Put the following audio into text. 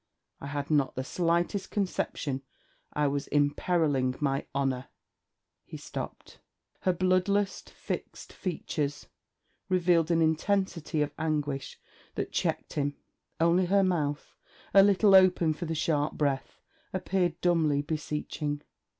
I had not the slightest conception I was imperilling my honour...!' He stopped. Her bloodless fixed features revealed an intensity of anguish that checked him. Only her mouth, a little open for the sharp breath, appeared dumbly beseeching.